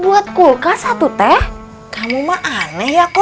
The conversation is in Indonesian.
buat kulkas satu teh kamu mah aneh ya kok